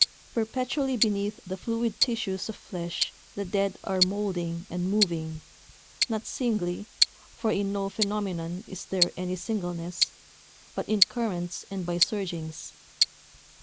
Perpetually beneath the fluid tissues of flesh the dead are moulding and moving not singly (for in no phenomenon is there any singleness), but in currents and by surgings.